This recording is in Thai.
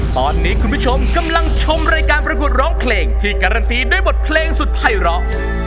ตอนนี้คุณผู้ชมกำลังชมรายการประกวดร้องเพลงที่การันตีด้วยบทเพลงสุดภัยร้อ